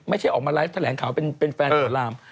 ไม่ใช่ออกมาไลฟ์แถลงข่าวเป็นแฟนสวนราม